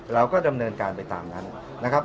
เราก็ดำเนินการไปตามนั้นนะครับ